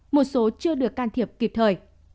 một số chưa được can thiệp kịp thời